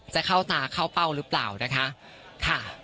จะเข้าตาเข้าเป้าหรือเปล่านะคะ